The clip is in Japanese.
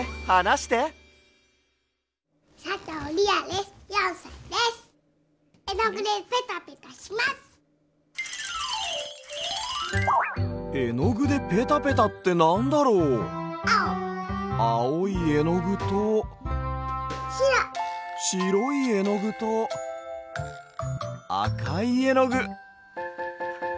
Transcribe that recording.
しろいえのぐとあかいえのぐ。